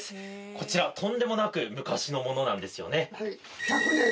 こちらとんでもなく昔のものなんですよね。